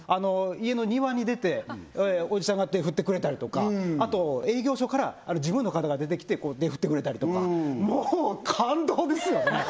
家の庭に出ておじさんが手振ってくれたりとかあと営業所から事務の方が出てきて手振ってくれたりとかもう感動ですよね！